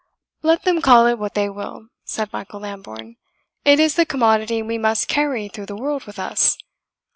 "Let them call it what they will," said Michael Lambourne, "it is the commodity we must carry through the world with us.